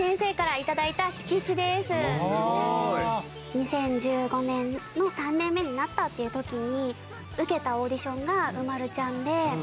２０１５年の３年目になったっていう時に受けたオーディションが『うまるちゃん』で。